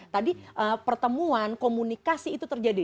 tadi pertemuan komunikasi itu terjadi